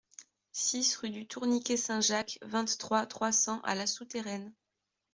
six rue du Tourniquet Saint-Jacques, vingt-trois, trois cents à La Souterraine